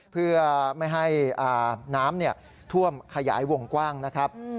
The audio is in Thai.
เพื่อไม่ให้น้ำท่วมขยายวงกว้างนะครับ